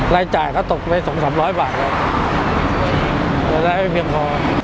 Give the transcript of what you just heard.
รายจ่ายก็ตกไปสองสามร้อยบาทแล้วรายได้ไม่เพียงพอ